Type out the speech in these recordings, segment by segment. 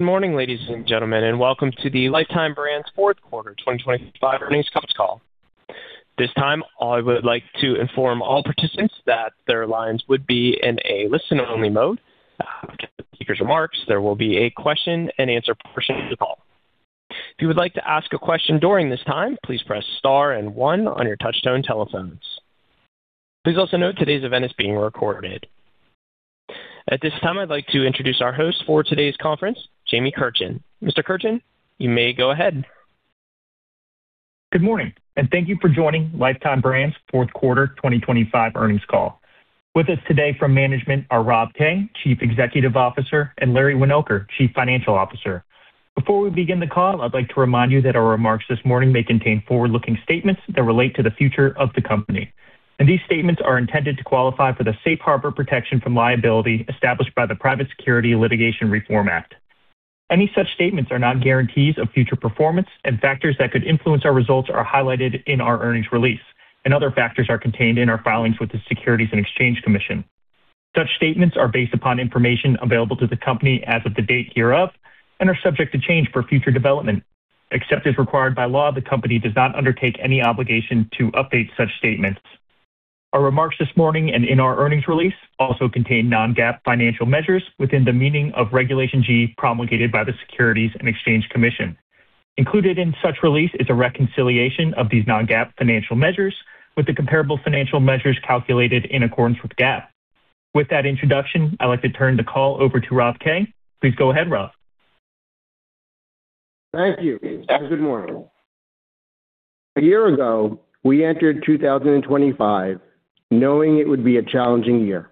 Good morning, ladies and gentlemen, and welcome to the Lifetime Brands Fourth Quarter 2025 Earnings Call. This time, I would like to inform all participants that their lines would be in a listen-only mode. After the speaker's remarks, there will be a question and answer portion of the call. If you would like to ask a question during this time, please press Star and one on your touch-tone telephones. Please also note, today's event is being recorded. At this time, I'd like to introduce our host for today's conference, Jamie Kertchen. Mr. Kertchen, you may go ahead. Good morning, and thank you for joining Lifetime Brands Fourth Quarter 2025 Earnings Call. With us today from management are Rob Kay, Chief Executive Officer, and Larry Winoker, Chief Financial Officer. Before we begin the call, I'd like to remind you that our remarks this morning may contain forward-looking statements that relate to the future of the company. These statements are intended to qualify for the safe harbor protection from liability established by the Private Securities Litigation Reform Act. Any such statements are not guarantees of future performance, and factors that could influence our results are highlighted in our earnings release, and other factors are contained in our filings with the Securities and Exchange Commission. Such statements are based upon information available to the company as of the date hereof and are subject to change for future development. Except as required by law, the company does not undertake any obligation to update such statements. Our remarks this morning and in our earnings release also contain non-GAAP financial measures within the meaning of Regulation G promulgated by the Securities and Exchange Commission. Included in such release is a reconciliation of these non-GAAP financial measures with the comparable financial measures calculated in accordance with GAAP. With that introduction, I'd like to turn the call over to Rob Kay. Please go ahead, Rob. Thank you. Good morning. A year ago, we entered 2025 knowing it would be a challenging year.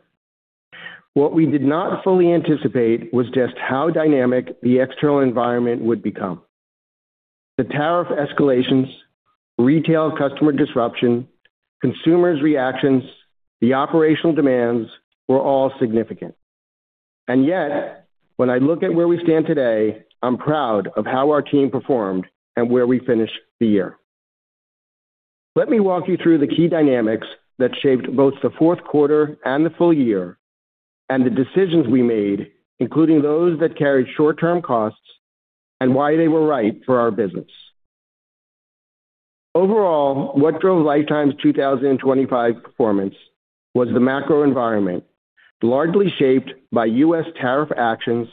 What we did not fully anticipate was just how dynamic the external environment would become. The tariff escalations, retail customer disruption, consumers' reactions, the operational demands were all significant. Yet, when I look at where we stand today, I'm proud of how our team performed and where we finished the year. Let me walk you through the key dynamics that shaped both the fourth quarter and the full year, and the decisions we made, including those that carried short-term costs and why they were right for our business. Overall, what drove Lifetime's 2025 performance was the macro environment, largely shaped by U.S. tariff actions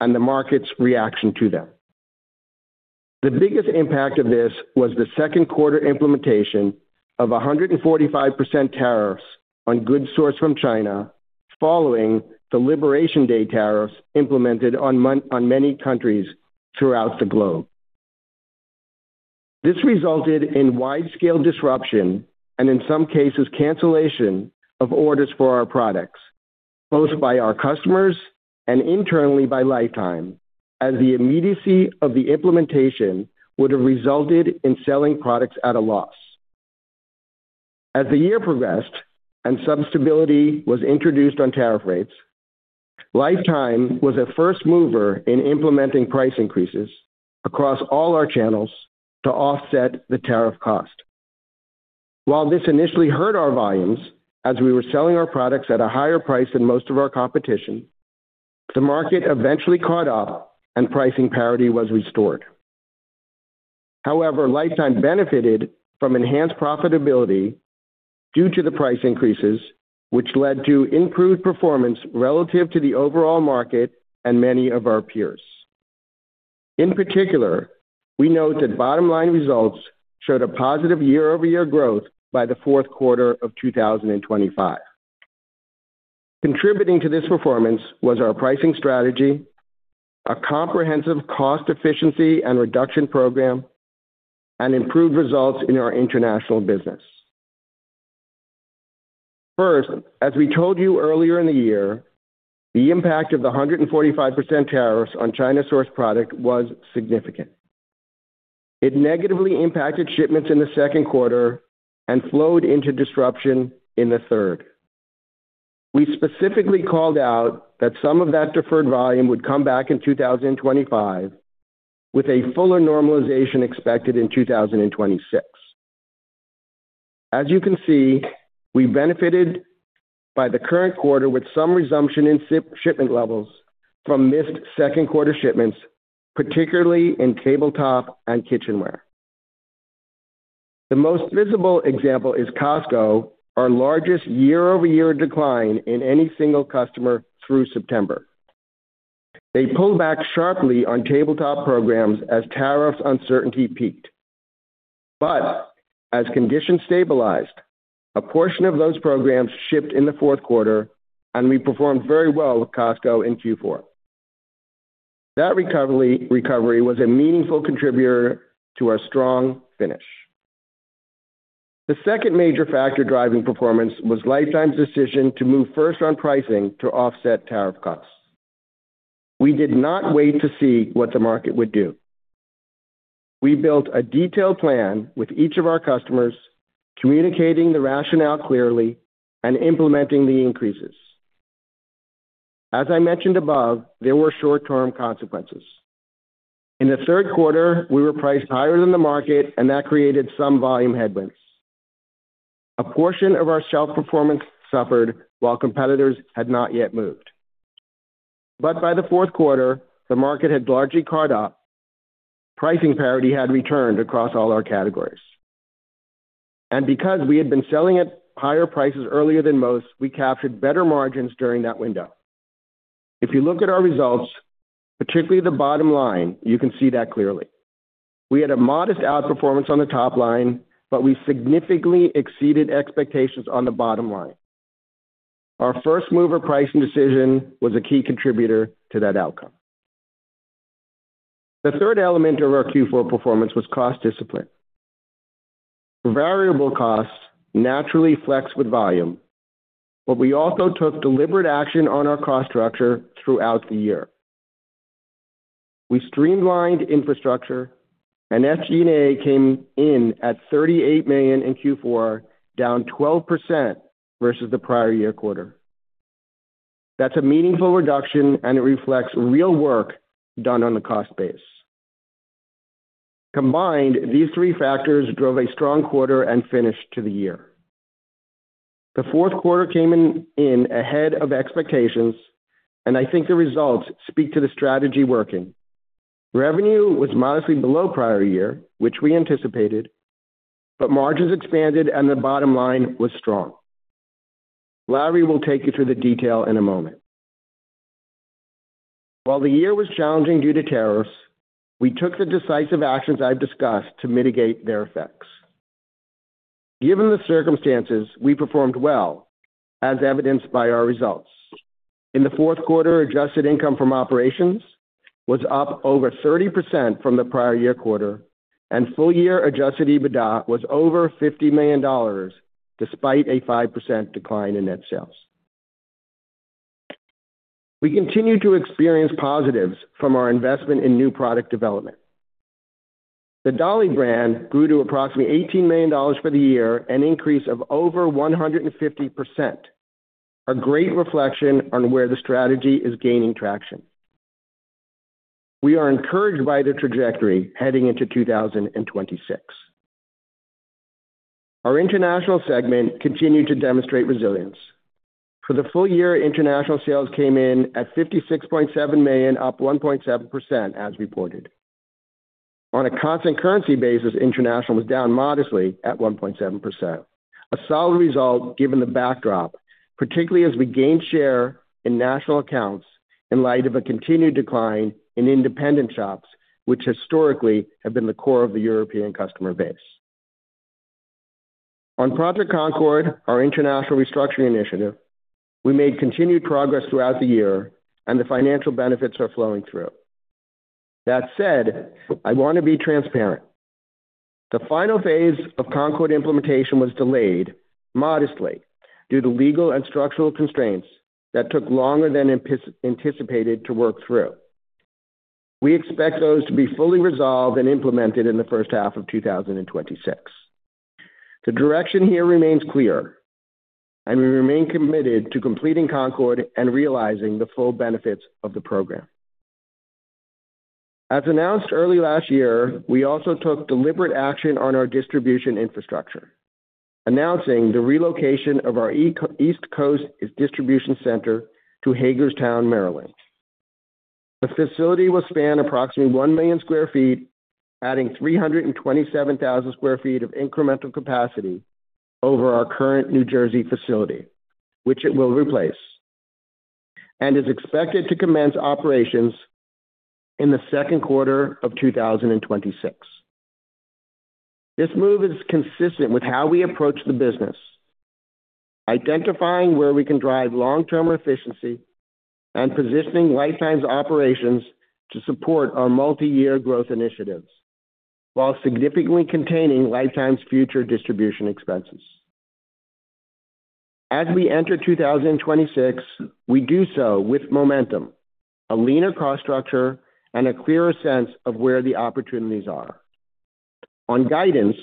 and the market's reaction to them. The biggest impact of this was the second quarter implementation of 145% tariffs on goods sourced from China following the Liberation Day tariffs implemented on many countries throughout the globe. This resulted in wide-scale disruption and, in some cases, cancellation of orders for our products, both by our customers and internally by Lifetime, as the immediacy of the implementation would have resulted in selling products at a loss. As the year progressed and some stability was introduced on tariff rates, Lifetime was a first mover in implementing price increases across all our channels to offset the tariff cost. While this initially hurt our volumes as we were selling our products at a higher price than most of our competition, the market eventually caught up and pricing parity was restored. However, Lifetime benefited from enhanced profitability due to the price increases, which led to improved performance relative to the overall market and many of our peers. In particular, we note that bottom line results showed a positive year-over-year growth by the fourth quarter of 2025. Contributing to this performance was our pricing strategy, a comprehensive cost efficiency and reduction program, and improved results in our international business. First, as we told you earlier in the year, the impact of the 145% tariffs on China-sourced product was significant. It negatively impacted shipments in the second quarter and flowed into disruption in the third. We specifically called out that some of that deferred volume would come back in 2025, with a fuller normalization expected in 2026. As you can see, we benefited by the current quarter with some resumption in shipment levels from missed second quarter shipments, particularly in tabletop and kitchenware. The most visible example is Costco, our largest year-over-year decline in any single customer through September. They pulled back sharply on tabletop programs as tariff uncertainty peaked. As conditions stabilized, a portion of those programs shipped in the fourth quarter, and we performed very well with Costco in Q4. That recovery was a meaningful contributor to our strong finish. The second major factor driving performance was Lifetime's decision to move first on pricing to offset tariff costs. We did not wait to see what the market would do. We built a detailed plan with each of our customers, communicating the rationale clearly and implementing the increases. As I mentioned above, there were short-term consequences. In the third quarter, we were priced higher than the market, and that created some volume headwinds. A portion of our shelf performance suffered while competitors had not yet moved. By the fourth quarter, the market had largely caught up. Pricing parity had returned across all our categories. Because we had been selling at higher prices earlier than most, we captured better margins during that window. If you look at our results, particularly the bottom line, you can see that clearly. We had a modest outperformance on the top line, but we significantly exceeded expectations on the bottom line. Our first-mover pricing decision was a key contributor to that outcome. The third element of our Q4 performance was cost discipline. Variable costs naturally flex with volume, but we also took deliberate action on our cost structure throughout the year. We streamlined infrastructure and SG&A came in at $38 million in Q4, down 12% versus the prior year quarter. That's a meaningful reduction, and it reflects real work done on the cost base. Combined, these three factors drove a strong quarter and finish to the year. The fourth quarter came in ahead of expectations, and I think the results speak to the strategy working. Revenue was modestly below prior year, which we anticipated, but margins expanded and the bottom line was strong. Larry will take you through the detail in a moment. While the year was challenging due to tariffs, we took the decisive actions I've discussed to mitigate their effects. Given the circumstances, we performed well, as evidenced by our results. In the fourth quarter, adjusted income from operations was up over 30% from the prior year quarter, and full-year adjusted EBITDA was over $50 million, despite a 5% decline in net sales. We continue to experience positives from our investment in new product development. The Dolly brand grew to approximately $18 million for the year, an increase of over 150%. A great reflection on where the strategy is gaining traction. We are encouraged by the trajectory heading into 2026. Our international segment continued to demonstrate resilience. For the full year, international sales came in at $56.7 million, up 1.7% as reported. On a constant currency basis, international was down modestly at 1.7%. A solid result given the backdrop, particularly as we gained share in national accounts in light of a continued decline in independent shops, which historically have been the core of the European customer base. On Project Concord, our international restructuring initiative, we made continued progress throughout the year and the financial benefits are flowing through. That said, I wanna be transparent. The final phase of Concord implementation was delayed modestly due to legal and structural constraints that took longer than anticipated to work through. We expect those to be fully resolved and implemented in the first half of 2026. The direction here remains clear, and we remain committed to completing Concord and realizing the full benefits of the program. As announced early last year, we also took deliberate action on our distribution infrastructure, announcing the relocation of our East Coast distribution center to Hagerstown, Maryland. The facility will span approximately 1 million sq ft, adding 327,000 sq ft of incremental capacity over our current New Jersey facility, which it will replace, and is expected to commence operations in the second quarter of 2026. This move is consistent with how we approach the business, identifying where we can drive long-term efficiency and positioning Lifetime's operations to support our multi-year growth initiatives while significantly containing Lifetime's future distribution expenses. As we enter 2026, we do so with momentum, a leaner cost structure, and a clearer sense of where the opportunities are. On guidance,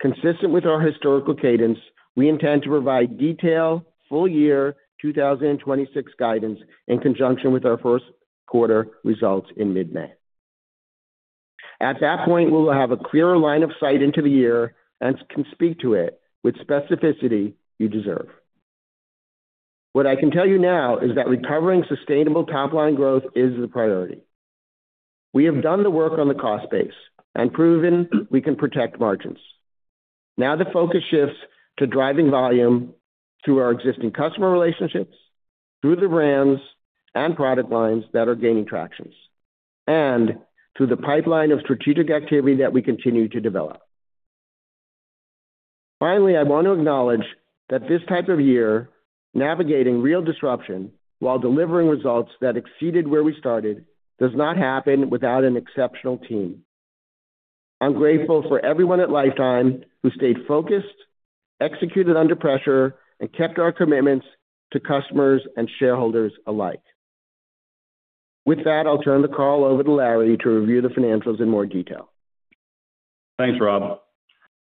consistent with our historical cadence, we intend to provide detailed full year 2026 guidance in conjunction with our first quarter results in mid-May. At that point, we will have a clearer line of sight into the year and can speak to it with specificity you deserve. What I can tell you now is that recovering sustainable top-line growth is the priority. We have done the work on the cost base and proven we can protect margins. Now the focus shifts to driving volume through our existing customer relationships, through the brands and product lines that are gaining traction, and through the pipeline of strategic activity that we continue to develop. Finally, I want to acknowledge that this type of year, navigating real disruption while delivering results that exceeded where we started, does not happen without an exceptional team. I'm grateful for everyone at Lifetime who stayed focused, executed under pressure, and kept our commitments to customers and shareholders alike. With that, I'll turn the call over to Larry to review the financials in more detail. Thanks, Rob.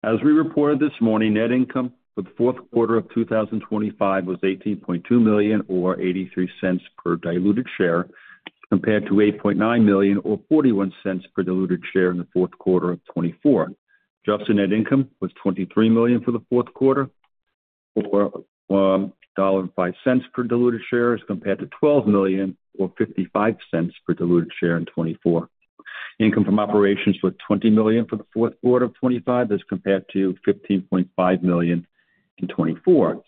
As we reported this morning, net income for the fourth quarter of 2025 was $18.2 million or $0.83 per diluted share. Compared to $8.9 million or $0.41 per diluted share in the fourth quarter of 2024. Adjusted net income was $23 million for the fourth quarter, or $1.05 per diluted share as compared to $12 million or $0.55 per diluted share in 2024. Income from operations were $20 million for the fourth quarter of 2025. That's compared to $15.5 million in 2024.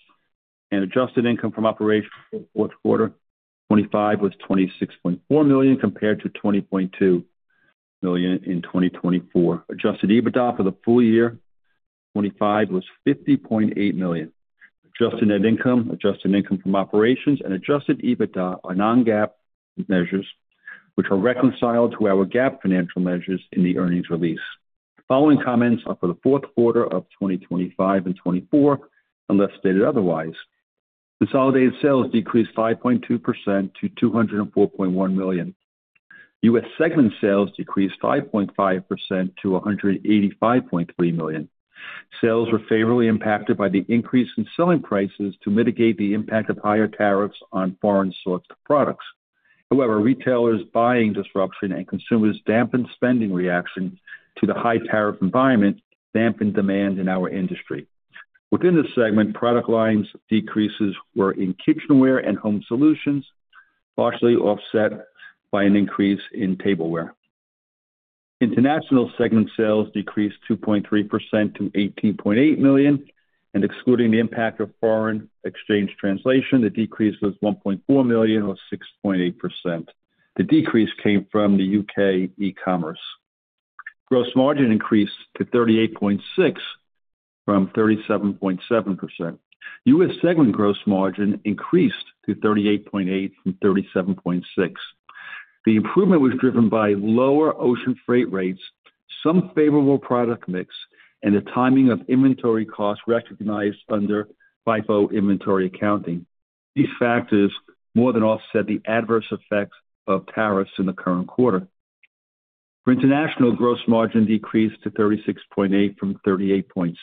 Adjusted income from operations fourth quarter 2025 was $26.4 million compared to $20.2 million in 2024. Adjusted EBITDA for the full year 2025 was $50.8 million. Adjusted net income, adjusted income from operations and adjusted EBITDA are non-GAAP measures, which are reconciled to our GAAP financial measures in the earnings release. The following comments are for the fourth quarter of 2025 and 2024, unless stated otherwise. Consolidated sales decreased 5.2% to $204.1 million. U.S. segment sales decreased 5.5% to $185.3 million. Sales were favorably impacted by the increase in selling prices to mitigate the impact of higher tariffs on foreign sourced products. However, retailers buying disruption and consumers dampened spending reaction to the high tariff environment dampened demand in our industry. Within this segment, product lines decreases were in kitchenware and home solutions, partially offset by an increase in tableware. International segment sales decreased 2.3% to $18.8 million and excluding the impact of foreign exchange translation, the decrease was $1.4 million or 6.8%. The decrease came from the U.K. e-commerce. Gross margin increased to 38.6% from 37.7%. U.S. segment gross margin increased to 38.8% from 37.6%. The improvement was driven by lower ocean freight rates, some favorable product mix, and the timing of inventory costs recognized under FIFO inventory accounting. These factors more than offset the adverse effects of tariffs in the current quarter. For international, gross margin decreased to 36.8% from 38.6%,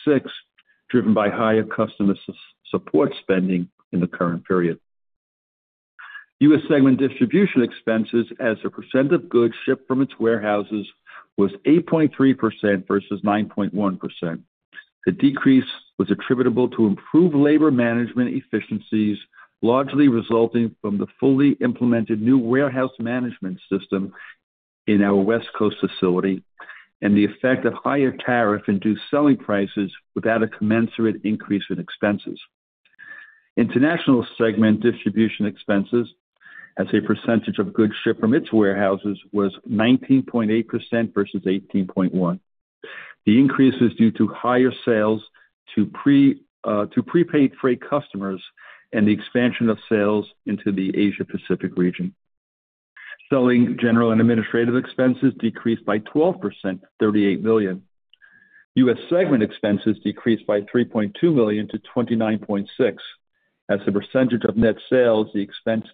driven by higher customer support spending in the current period. U.S. segment distribution expenses as a percent of goods shipped from its warehouses was 8.3% versus 9.1%. The decrease was attributable to improved labor management efficiencies, largely resulting from the fully implemented new warehouse management system in our West Coast facility and the effect of higher tariff-induced selling prices without a commensurate increase in expenses. International segment distribution expenses as a percentage of goods shipped from its warehouses was 19.8% versus 18.1%. The increase is due to higher sales to prepaid freight customers and the expansion of sales into the Asia Pacific region. Selling, general and administrative expenses decreased by 12%, $38 million. U.S. segment expenses decreased by $3.2 million to $29.6 million. As a percentage of net sales, the expense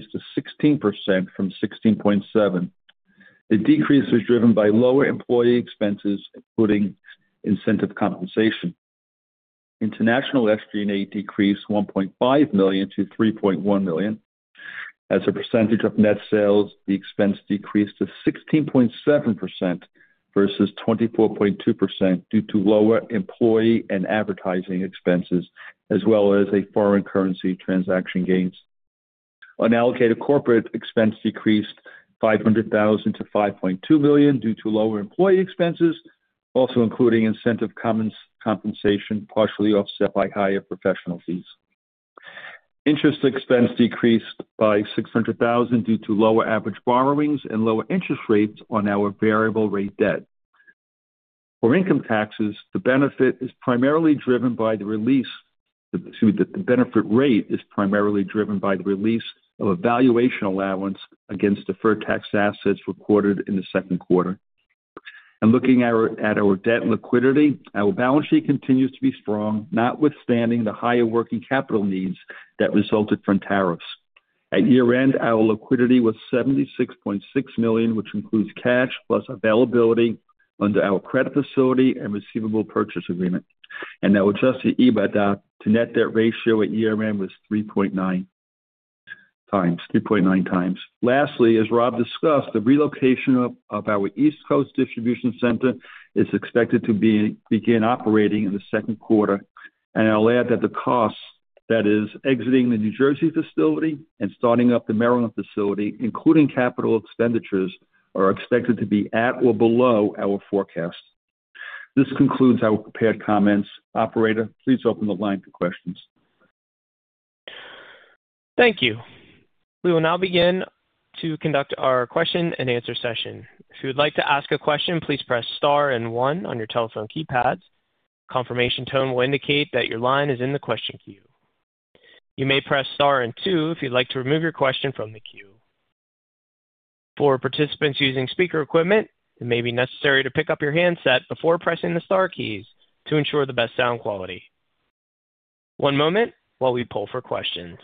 decreased to 16% from 16.7%. The decrease was driven by lower employee expenses, including incentive compensation. International SG&A decreased $1.5 million to $3.1 million. As a percentage of net sales, the expense decreased to 16.7% versus 24.2% due to lower employee and advertising expenses as well as a foreign currency transaction gains. Unallocated corporate expense decreased $500,000 to $5.2 million due to lower employee expenses, also including incentive compensation, partially offset by higher professional fees. Interest expense decreased by $600,000 due to lower average borrowings and lower interest rates on our variable rate debt. For income taxes, the benefit rate is primarily driven by the release of a valuation allowance against deferred tax assets recorded in the second quarter. Looking at our debt and liquidity, our balance sheet continues to be strong, notwithstanding the higher working capital needs that resulted from tariffs. At year-end, our liquidity was $76.6 million, which includes cash plus availability under our credit facility and receivable purchase agreement. Our adjusted EBITDA to net debt ratio at year-end was 3.9x. Lastly, as Rob discussed, the relocation of our East Coast distribution center is expected to begin operating in the second quarter. I'll add that the costs of exiting the New Jersey facility and starting up the Maryland facility, including capital expenditures, are expected to be at or below our forecast. This concludes our prepared comments. Operator, please open the line for questions. Thank you. We will now begin to conduct our question and answer session. If you would like to ask a question, please press star and one on your telephone keypad. Confirmation tone will indicate that your line is in the question queue. You may press star and two if you'd like to remove your question from the queue. For participants using speaker equipment, it may be necessary to pick up your handset before pressing the star keys to ensure the best sound quality. One moment while we poll for questions.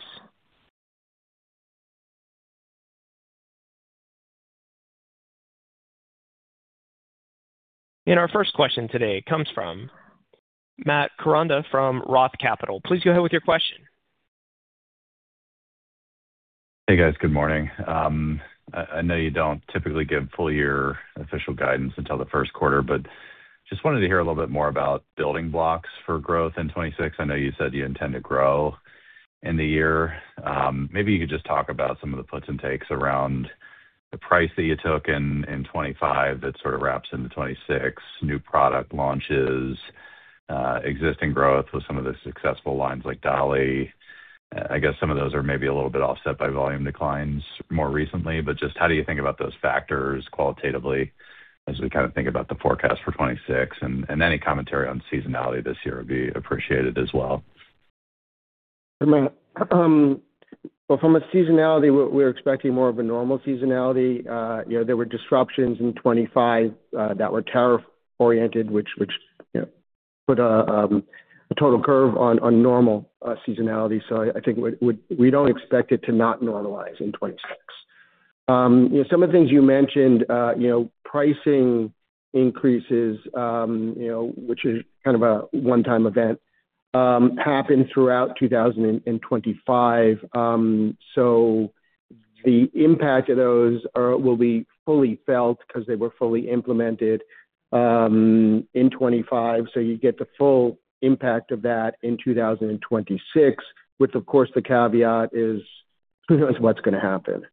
Our first question today comes from Matt Koranda from ROTH Capital. Please go ahead with your question. Hey, guys. Good morning. I know you don't typically give full year official guidance until the first quarter, but just wanted to hear a little bit more about building blocks for growth in 2026. I know you said you intend to grow in the year. Maybe you could just talk about some of the puts and takes around the price that you took in 2025 that sort of wraps into 2026, new product launches, existing growth with some of the successful lines like Dolly. I guess some of those are maybe a little bit offset by volume declines more recently, but just how do you think about those factors qualitatively as we kind of think about the forecast for 2026? Any commentary on seasonality this year would be appreciated as well. Well, from a seasonality, we're expecting more of a normal seasonality. You know, there were disruptions in 2025 that were tariff oriented, which you know, put a total curve on normal seasonality. We don't expect it to not normalize in 2026. You know, some of the things you mentioned, you know, pricing increases, you know, which is kind of a one-time event, happened throughout 2025. The impact of those will be fully felt because they were fully implemented in 2025. You get the full impact of that in 2026, which of course, the caveat is, who knows what's gonna happen.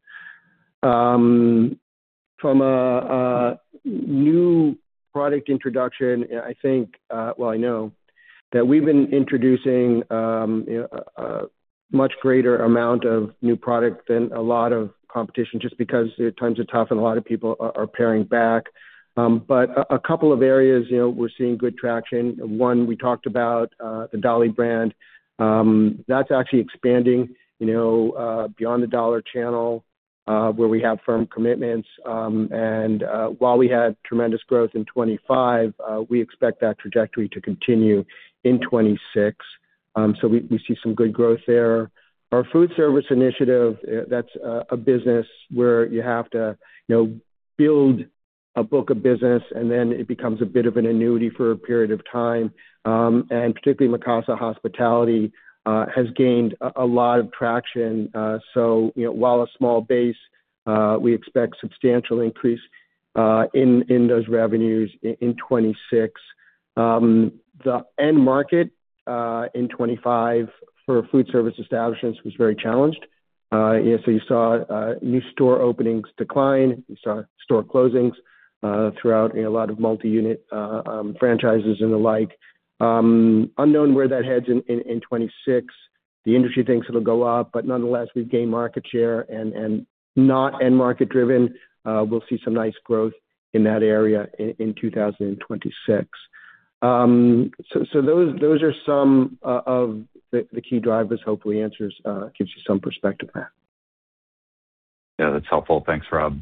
From a new product introduction, I think, well, I know that we've been introducing, you know, a much greater amount of new product than a lot of competition just because times are tough and a lot of people are paring back. A couple of areas, you know, we're seeing good traction. One, we talked about the Dolly brand. That's actually expanding, you know, beyond the dollar channel where we have firm commitments. While we had tremendous growth in 2025, we expect that trajectory to continue in 2026. We see some good growth there. Our food service initiative, that's a business where you have to, you know, build a book of business, and then it becomes a bit of an annuity for a period of time. Particularly Mikasa Hospitality has gained a lot of traction. You know, while a small base, we expect substantial increase in those revenues in 2026. The end market in 2025 for food service establishments was very challenged. You saw new store openings decline. You saw store closings throughout a lot of multi-unit franchises and the like. Unknown where that heads in 2026. The industry thinks it'll go up, but nonetheless, we've gained market share and not end market-driven. We'll see some nice growth in that area in 2026. Those are some of the key drivers. Hopefully answers gives you some perspective there. Yeah, that's helpful. Thanks, Rob.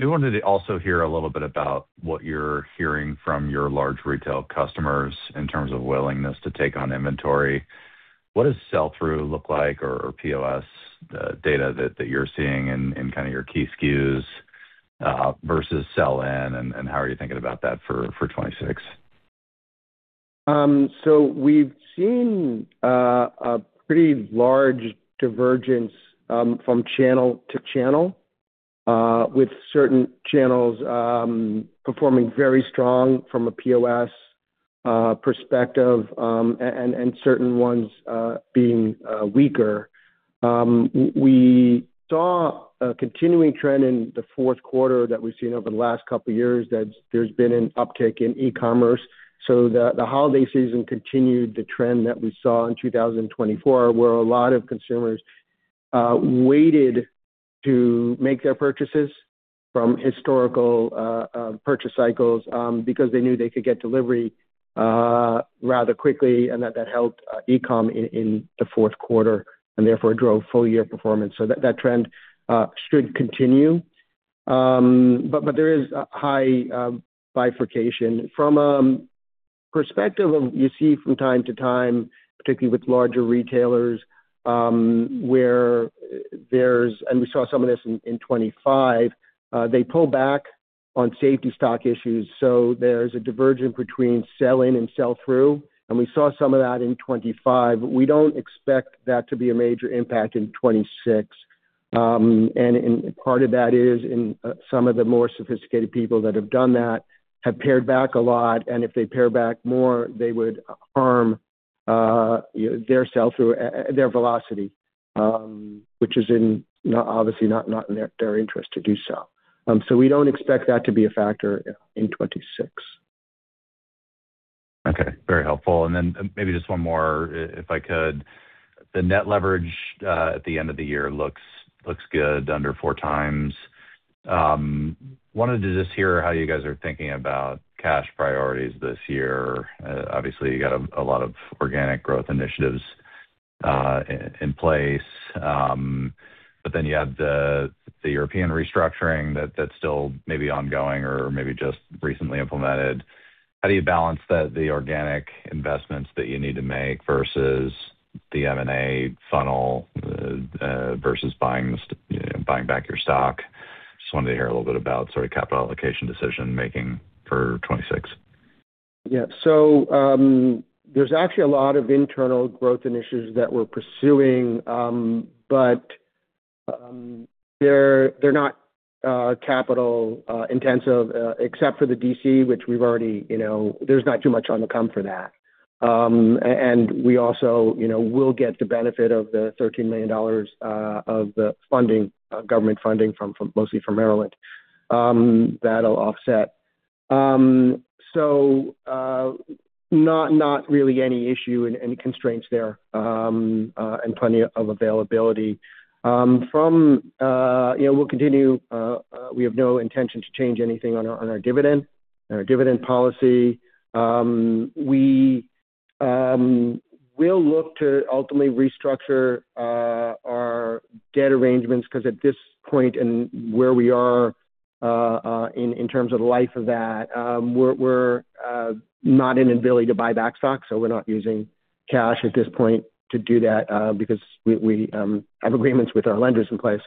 We wanted to also hear a little bit about what you're hearing from your large retail customers in terms of willingness to take on inventory. What does sell through look like or POS data that you're seeing in kind of your key SKUs versus sell in and how are you thinking about that for 2026? We've seen a pretty large divergence from channel to channel with certain channels performing very strong from a POS perspective and certain ones being weaker. We saw a continuing trend in the fourth quarter that we've seen over the last couple of years, that there's been an uptick in e-commerce. The holiday season continued the trend that we saw in 2024, where a lot of consumers waited to make their purchases from historical purchase cycles because they knew they could get delivery rather quickly, and that helped e-com in the fourth quarter and therefore drove full year performance. That trend should continue. There is a high bifurcation. From a perspective you see from time to time, particularly with larger retailers, we saw some of this in 2025, they pull back on safety stock issues, so there's a divergence between sell in and sell through, and we saw some of that in 2025. We don't expect that to be a major impact in 2026. Part of that is in some of the more sophisticated people that have done that have pared back a lot, and if they pare back more, they would harm, you know, their sell through, their velocity, which is obviously not in their interest to do so. We don't expect that to be a factor in 2026. Okay. Very helpful. Maybe just one more, if I could. The net leverage at the end of the year looks good, under 4x. Wanted to just hear how you guys are thinking about cash priorities this year. Obviously, you got a lot of organic growth initiatives in place. You have the European restructuring that's still maybe ongoing or maybe just recently implemented. How do you balance the organic investments that you need to make versus the M&A funnel versus buying back your stock. Just wanted to hear a little bit about sort of capital allocation decision-making for 2026. Yeah. There's actually a lot of internal growth initiatives that we're pursuing, but they're not capital intensive, except for the DC, which we've already, you know, there's not too much to come for that. We also, you know, will get the benefit of the $13 million of the funding, government funding from mostly Maryland, that'll offset. Not really any issue and any constraints there, and plenty of availability. You know, we'll continue, we have no intention to change anything on our dividend policy. We'll look to ultimately restructure our debt arrangements, 'cause at this point and where we are in terms of life of that, we're not able to buy back stock, so we're not using cash at this point to do that, because we have agreements with our lenders in place.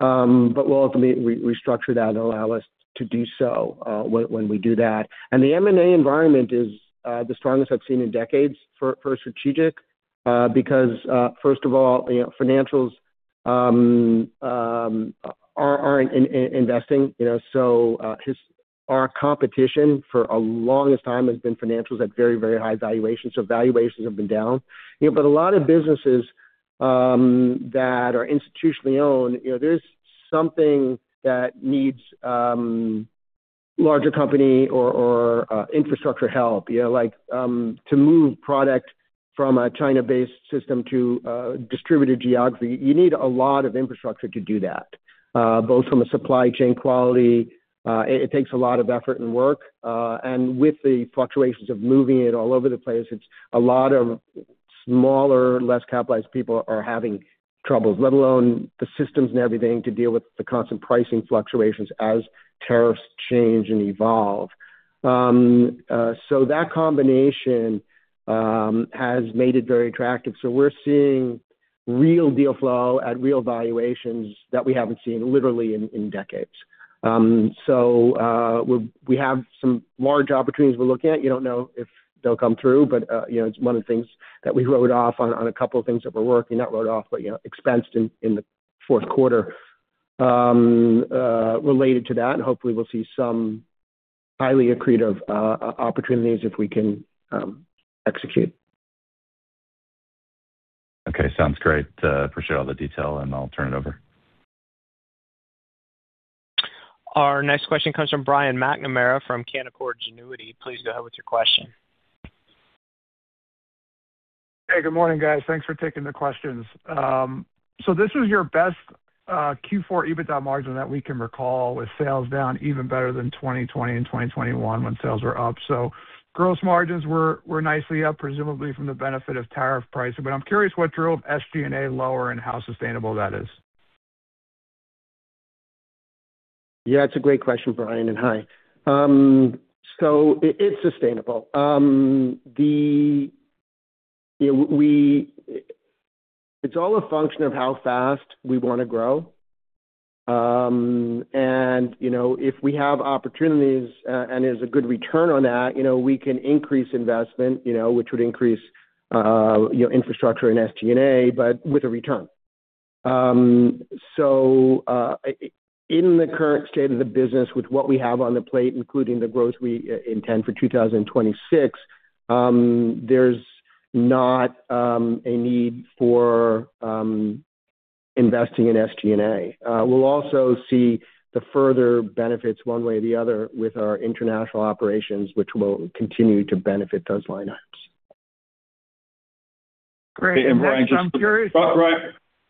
We'll ultimately restructure that and allow us to do so when we do that. The M&A environment is the strongest I've seen in decades for strategic, because first of all, you know, financials aren't investing, you know. Our competition for the longest time has been financials at very, very high valuations. Valuations have been down. You know, a lot of businesses that are institutionally owned, you know, there's something that needs larger company or infrastructure help, you know. Like, to move product from a China-based system to a distributed geography, you need a lot of infrastructure to do that. Both from a supply chain quality, it takes a lot of effort and work, and with the fluctuations of moving it all over the place, it's a lot of smaller, less capitalized people are having troubles, let alone the systems and everything to deal with the constant pricing fluctuations as tariffs change and evolve. That combination has made it very attractive. We're seeing real deal flow at real valuations that we haven't seen literally in decades. We have some large opportunities we're looking at. You don't know if they'll come through, but you know, it's one of the things that we wrote off on a couple of things that we're working. Not wrote off, but you know, expensed in the fourth quarter. Related to that. Hopefully we'll see some highly accretive opportunities if we can execute. Okay, sounds great. Appreciate all the detail, and I'll turn it over. Our next question comes from Brian McNamara from Canaccord Genuity. Please go ahead with your question. Hey, good morning, guys. Thanks for taking the questions. This is your best Q4 EBITDA margin that we can recall with sales down even better than 2020 and 2021 when sales were up. Gross margins were nicely up, presumably from the benefit of tariff pricing. I'm curious what drove SG&A lower and how sustainable that is. Yeah, it's a great question, Brian, and hi. So it's sustainable. It's all a function of how fast we wanna grow. You know, if we have opportunities and there's a good return on that, you know, we can increase investment, you know, which would increase, you know, infrastructure and SG&A, but with a return. So, in the current state of the business with what we have on the plate, including the growth we intend for 2026, there's not a need for investing in SG&A. We'll also see the further benefits one way or the other with our international operations, which will continue to benefit those line items. Great. Next, I'm curious-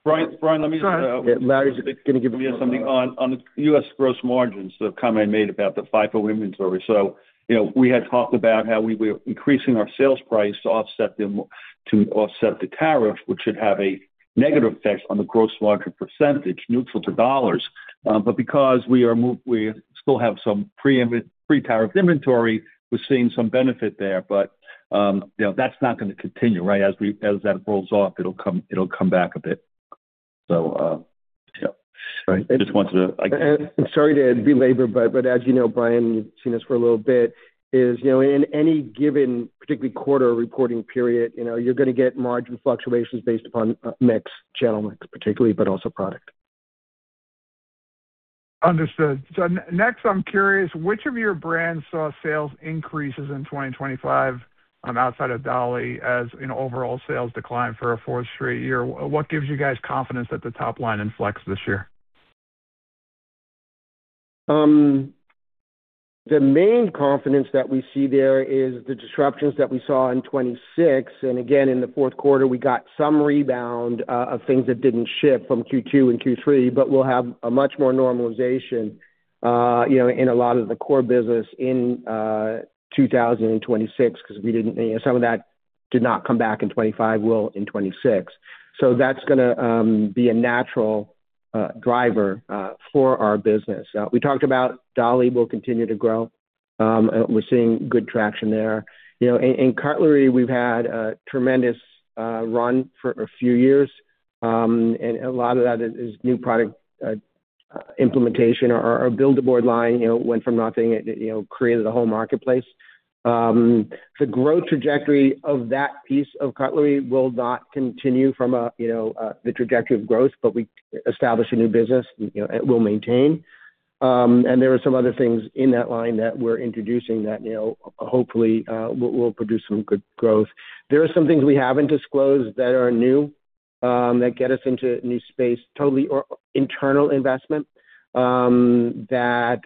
Brian, let me just- Larry's gonna give you something on. On the U.S. gross margins, the comment I made about the FIFO inventory. You know, we had talked about how we were increasing our sales price to offset the tariff, which should have a negative effect on the gross margin percentage, neutral to dollars. Because we still have some pre-tariff inventory, we're seeing some benefit there. You know, that's not gonna continue, right? As that rolls off, it'll come back a bit. Yeah. Right. Just wanted to- Sorry to [belabor], but as you know, Brian, you've seen us for a little bit, you know, in any given particular quarter or reporting period, you know, you're gonna get margin fluctuations based upon mix, channel mix particularly, but also product. Understood. Next, I'm curious, which of your brands saw sales increases in 2025, outside of Dolly, as in overall sales declined for a fourth straight year? What gives you guys confidence that the top line inflects this year? The main confidence that we see there is the disruptions that we saw in 2026. Again, in the fourth quarter, we got some rebound of things that didn't ship from Q2 and Q3, but we'll have a much more normalization, you know, in a lot of the core business in 2026, 'cause some of that did not come back in 2025, will in 2026. That's gonna be a natural driver for our business. We talked about Dolly will continue to grow. We're seeing good traction there. You know, in cutlery, we've had a tremendous run for a few years, and a lot of that is new product implementation. Our Build-A-Board line, you know, went from nothing. It, you know, created a whole marketplace. The growth trajectory of that piece of cutlery will not continue from a, you know, the trajectory of growth, but we established a new business, you know, it will maintain. There are some other things in that line that we're introducing that, you know, hopefully, will produce some good growth. There are some things we haven't disclosed that are new, that get us into a new space. Total internal investment, that,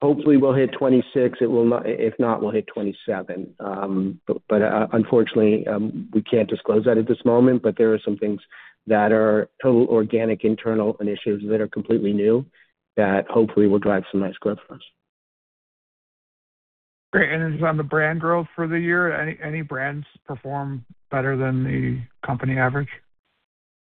hopefully will hit 2026. It will not. If not, we'll hit 2027. Unfortunately, we can't disclose that at this moment, but there are some things that are total organic, internal initiatives that are completely new that hopefully will drive some nice growth for us. Great. Just on the brand growth for the year, any brands perform better than the company average?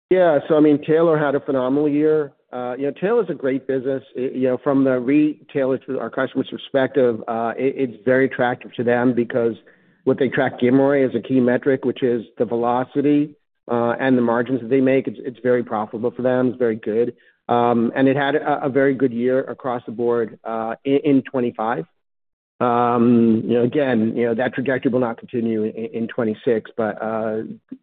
Yeah. I mean, Taylor had a phenomenal year. You know, Taylor's a great business. You know, from the retailers to our customers' perspective, it's very attractive to them because what they track GMROI as a key metric, which is the velocity, and the margins that they make, it's very profitable for them. It's very good. And it had a very good year across the board, in 2025. You know, again, you know, that trajectory will not continue in 2026, but,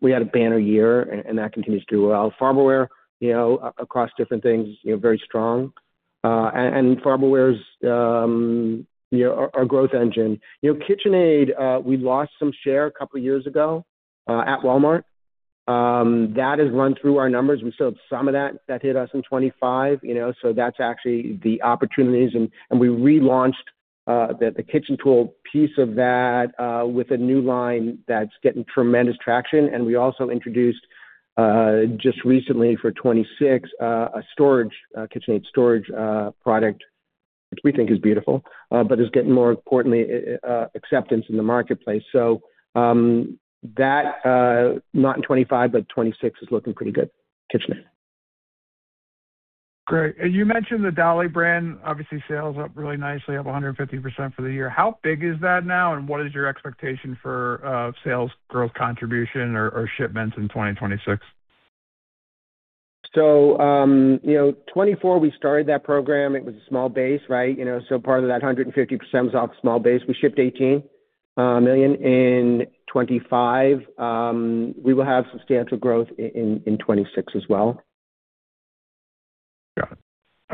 we had a banner year, and that continues to do well. Farberware, you know, across different things, you know, very strong. And, and Farberware's, you know, our growth engine. You know, KitchenAid, we lost some share a couple years ago, at Walmart. That has run through our numbers. We still have some of that that hit us in 2025, you know. That's actually the opportunities. We relaunched the kitchen tool piece of that with a new line that's getting tremendous traction. We also introduced just recently for 2026 a storage KitchenAid storage product, which we think is beautiful but is getting more importantly acceptance in the marketplace. That not in 2025, but 2026 is looking pretty good, KitchenAid. Great. You mentioned the Dolly brand, obviously sales up really nicely, up 150% for the year. How big is that now, and what is your expectation for sales growth contribution or shipments in 2026? You know, 2024, we started that program. It was a small base, right? You know, so part of that 150% was off a small base. We shipped $18 million in 2025. We will have substantial growth in 2026 as well.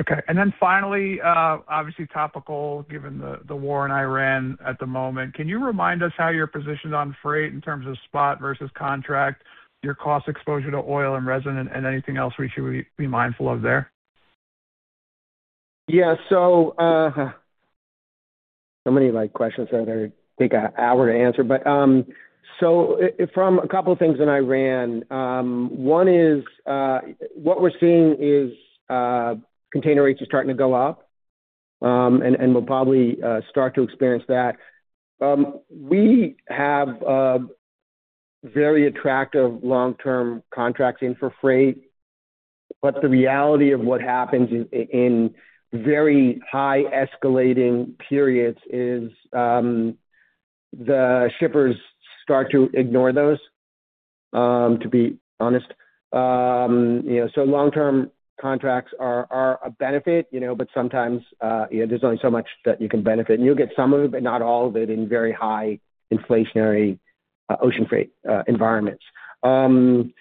Got it. Okay. Finally, obviously topical, given the war in Iran at the moment, can you remind us how you're positioned on freight in terms of spot versus contract, your cost exposure to oil and resin, and anything else we should be mindful of there? Yeah. Many like questions that take an hour to answer. From a couple of things in Iran, one is what we're seeing is container rates are starting to go up, and we'll probably start to experience that. We have very attractive long-term contracts in for freight, but the reality of what happens in very high escalating periods is the shippers start to ignore those, to be honest. You know, so long-term contracts are a benefit, you know, but sometimes, you know, there's only so much that you can benefit. You'll get some of it, but not all of it in very high inflationary ocean freight environments. We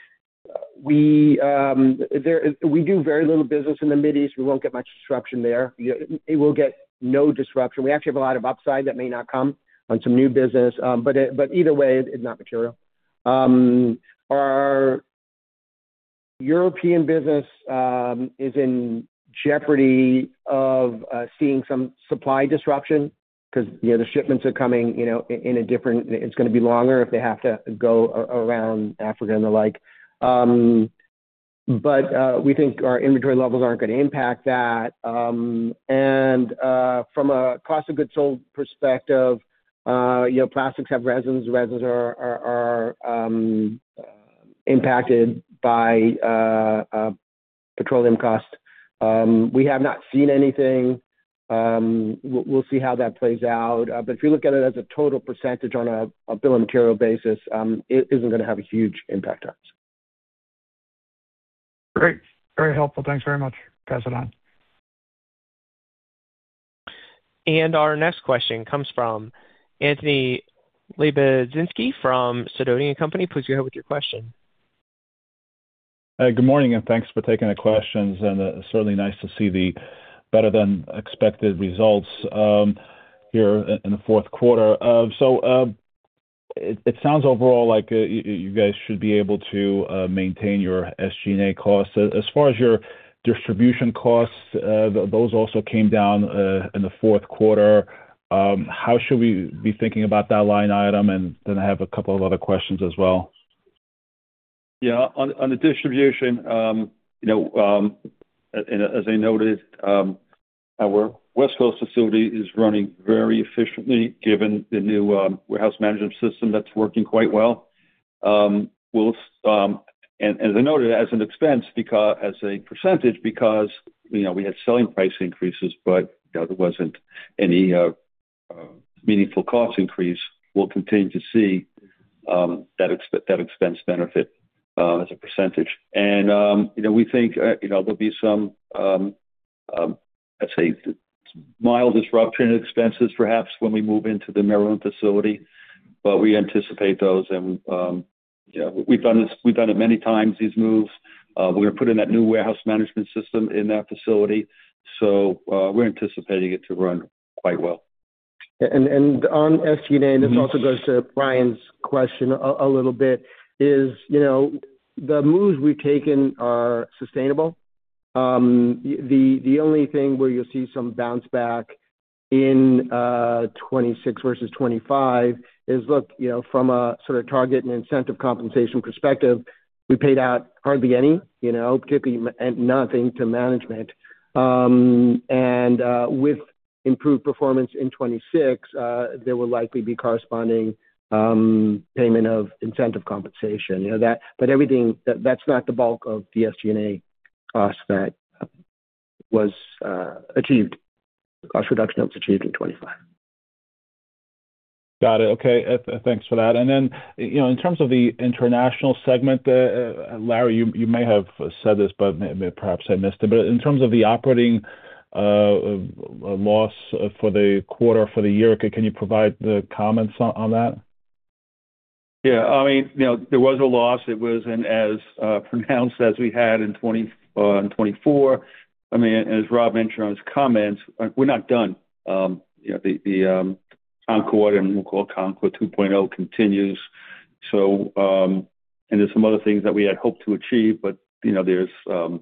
do very little business in the Mideast. We won't get much disruption there. It will get no disruption. We actually have a lot of upside that may not come on some new business. Either way, it's not material. Our European business is in jeopardy of seeing some supply disruption 'cause, you know, the shipments are coming, you know. It's gonna be longer if they have to go around Africa and the like. We think our inventory levels aren't gonna impact that. From a cost of goods sold perspective, you know, plastics have resins. Resins are impacted by petroleum costs. We have not seen anything. We'll see how that plays out. If you look at it as a total percentage on a bill of material basis, it isn't gonna have a huge impact on us. Great. Very helpful. Thanks very much. Pass it on. Our next question comes from Anthony Lebiedzinski from Sidoti & Company. Please go ahead with your question. Good morning, and thanks for taking the questions. Certainly nice to see the better than expected results here in the fourth quarter. It sounds overall like you guys should be able to maintain your SG&A costs. As far as your distribution costs, those also came down in the fourth quarter. How should we be thinking about that line item? I have a couple of other questions as well. Yeah. On the distribution, you know, and as I noted. Our West Coast facility is running very efficiently, given the new warehouse management system that's working quite well. As I noted as a percentage because, you know, we had selling price increases, but there wasn't any meaningful cost increase. We'll continue to see that expense benefit as a percentage. You know, we think you know, there'll be some I'd say mild disruption in expenses perhaps when we move into the Maryland facility, but we anticipate those. Yeah, we've done it many times, these moves. We're putting that new warehouse management system in that facility, so we're anticipating it to run quite well. On SG&A, and this also goes to Brian's question a little bit, is, you know, the moves we've taken are sustainable. The only thing where you'll see some bounce back in 2026 versus 2025 is look, you know, from a sort of target and incentive compensation perspective, we paid out hardly any, you know, nothing to management. With improved performance in 2026, there will likely be corresponding payment of incentive compensation. You know, but everything, that's not the bulk of the SG&A cost that was achieved. Cost reduction that was achieved in 2025. Got it. Okay. Thanks for that. You know, in terms of the international segment, Larry, you may have said this, but perhaps I missed it. In terms of the operating loss for the quarter for the year, can you provide the comments on that? Yeah. I mean, you know, there was a loss. It wasn't as pronounced as we had in 2024. I mean, as Rob mentioned on his comments, we're not done. The Concord, and we'll call it Concord 2.0, continues. There's some other things that we had hoped to achieve, but, you know, there's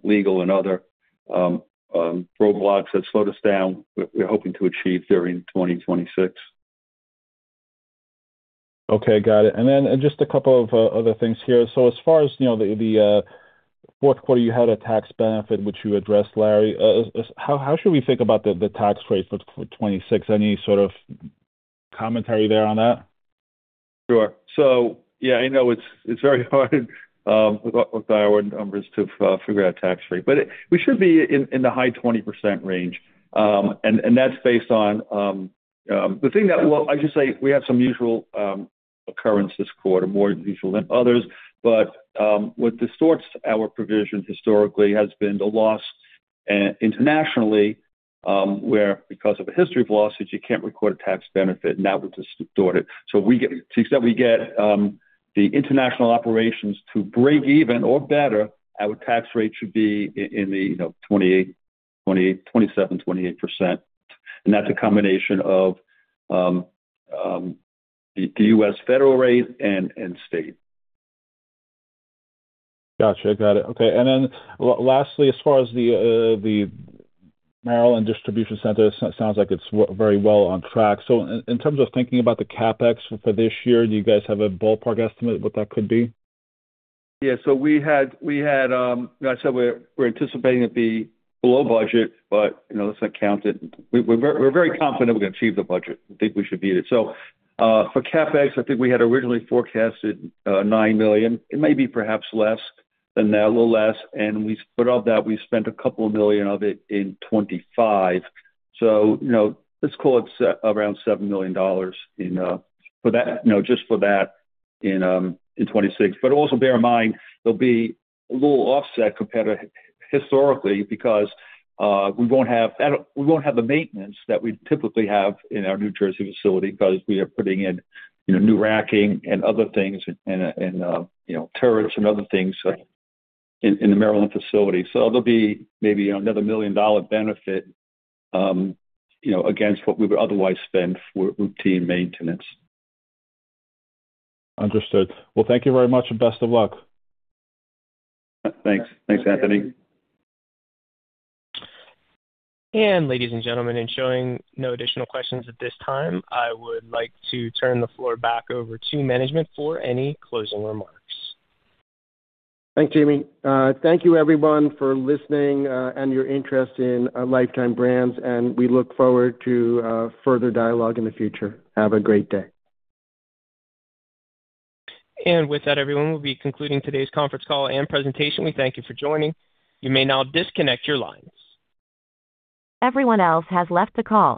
legal and other roadblocks that slowed us down. We're hoping to achieve during 2026. Okay, got it. Just a couple of other things here. As far as the fourth quarter, you had a tax benefit, which you addressed, Larry. How should we think about the tax rate for 2026? Any sort of commentary there on that? Sure. Yeah, I know it's very hard with our numbers to figure out tax rate, but we should be in the high 20% range. That's based on. Well, I should say we have some unusual occurrence this quarter, more unusual than others. What distorts our provisions historically has been the loss internationally, where because of a history of losses, you can't record a tax benefit, and that would distort it. To the extent we get the international operations to break even or better, our tax rate should be in the you know 27%-28%. That's a combination of the U.S. federal rate and state. Gotcha. I got it. Okay. Lastly, as far as the Maryland distribution center, sounds like it's working very well on track. In terms of thinking about the CapEx for this year, do you guys have a ballpark estimate what that could be? Yeah. We had, like I said, we're anticipating it to be below budget, but, you know, let's not count it. We're very confident we're gonna achieve the budget. I think we should beat it. For CapEx, I think we had originally forecasted $9 million, it may be perhaps less than that, a little less. But of that, we spent a couple of million of it in 2025. You know, let's call it around $7 million in, for that, just for that in 2026. But also bear in mind there'll be a little offset compared to historically because we won't have the maintenance that we typically have in our New Jersey facility because we are putting in, you know, new racking and other things and you know, turrets and other things in the Maryland facility. So there'll be maybe another million-dollar benefit, you know, against what we would otherwise spend for routine maintenance. Understood. Well, thank you very much and best of luck. Thanks. Thanks, Anthony. Ladies and gentlemen, in showing no additional questions at this time, I would like to turn the floor back over to management for any closing remarks. Thanks, Jamie. Thank you, everyone, for listening, and your interest in Lifetime Brands, and we look forward to further dialogue in the future. Have a great day. With that, everyone, we'll be concluding today's conference call and presentation. We thank you for joining. You may now disconnect your lines. Everyone else has left the call.